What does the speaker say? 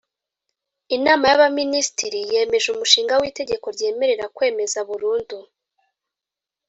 Inama y Abaminisitiri yemeje umushinga w Itegeko ryemerera kwemeza burundu